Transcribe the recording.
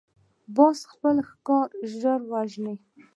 باز خپل ښکار ژر وژني